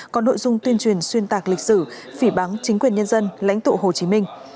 còn nội dung tuyên truyền xuyên tạc lịch sử phỉ bắn chính quyền nhân dân lãnh tụ hồ chí minh